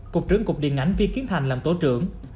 cục trưởng cục điện ảnh vi kiến thành làm tổ trưởng